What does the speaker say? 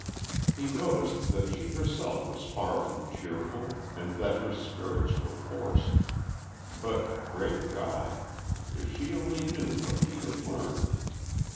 He noticed that she herself was far from cheerful, and that her spirits were forced. But great God! if she only knew what he had learned.